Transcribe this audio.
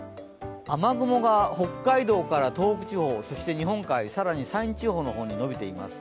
雨雲が北海道から東北地方、そして日本海、更に山陰地方の方に伸びています。